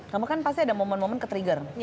kamu kan pasti ada momen momen ketrigger